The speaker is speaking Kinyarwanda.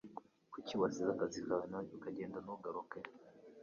Kuki wasize akazi kawe ukagenda ntu garuke?